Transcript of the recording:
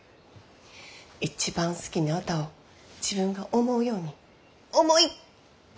一番好きな歌を自分が思うように思いっきり歌ってみ。